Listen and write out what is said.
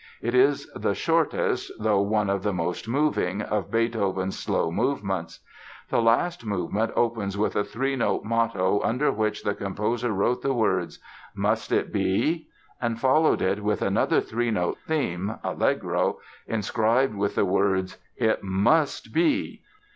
It is the shortest, though one of the most moving, of Beethoven's slow movements. The last movement opens with a three note motto under which the composer wrote the words "Must it be?" and followed it with another three note theme (Allegro) inscribed with the words "It must be!"